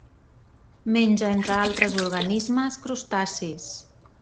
Menja, entre altres organismes, crustacis.